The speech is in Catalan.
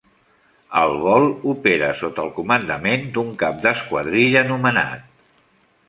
El vol opera sota el comandament d'un cap d'esquadrilla nomenat.